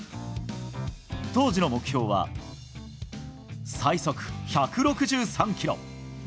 当時の目標は最速１６３キロ。